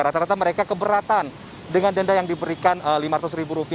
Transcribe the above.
rata rata mereka keberatan dengan denda yang diberikan rp lima ratus